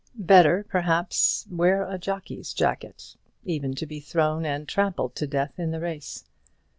Better, perhaps, wear a jockey's jacket; even to be thrown and trampled to death in the race.